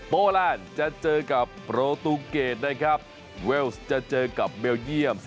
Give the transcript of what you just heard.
โแลนด์จะเจอกับโปรตูเกดนะครับเวลส์จะเจอกับเบลเยี่ยม